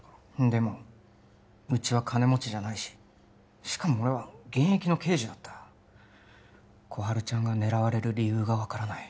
でもうちは金持ちじゃないししかも俺は現役の刑事だった心春ちゃんが狙われる理由が分からない